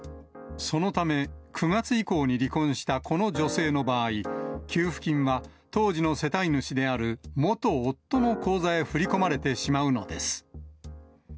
そのため、９月以降に離婚したこの女性の場合、給付金は当時の世帯主である元夫の口座へ振り込まれてしまうのです。